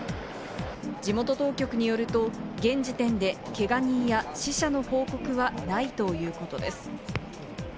地元当局によると、現時点でけが人や死者の報告はないということです。